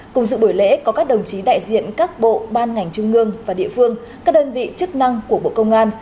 cùng dự buổi lễ có các đồng chí đại diện các bộ ban ngành trung ương và địa phương các đơn vị chức năng của bộ công an